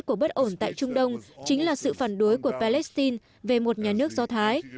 của bất ổn tại trung đông chính là sự phản đối của palestine về một nhà nước do thái